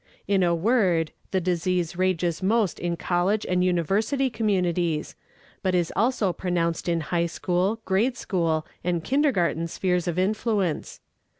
In a word, the disease rages most in college and university communities, but is also pronounced in high school, grade school, and kindergarten spheres of influence.